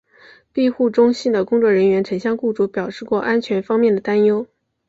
庇护中心的工作人员曾向雇主表示过安全方面的担忧。